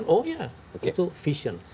oh ya itu vision